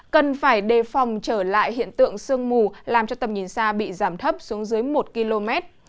cần phải đề phòng trở lại hiện tượng sương mù làm cho tầm nhìn xa bị giảm thấp xuống dưới một km